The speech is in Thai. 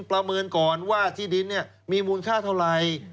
ประเมินก่อนว่าที่ดินมีมูลค่าเท่าไหร่